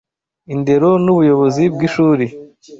Indero n'Ubuyobozi bw'Ishuri